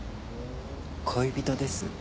恋人です。